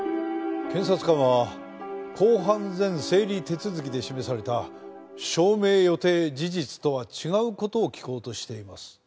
検察官は公判前整理手続で示された証明予定事実とは違う事を聞こうとしています。